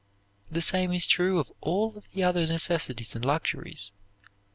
The same is true of all of the other necessities and luxuries.